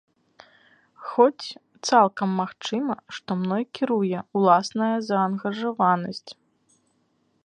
Хоць, цалкам магчыма, што мной кіруе ўласная заангажаванасць.